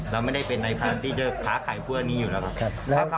เราไม่ได้เป็นในพลานที่เดิกขาขายเพื่อนี้อยู่แล้วครับ